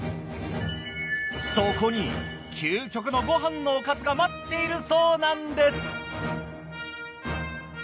そこに究極のご飯のおかずが待っているそうなんです。